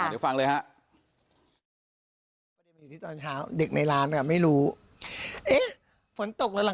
เดี๋ยวฟังเลยฮะ